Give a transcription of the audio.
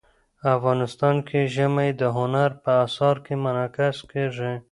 افغانستان کې ژمی د هنر په اثار کې منعکس کېږي.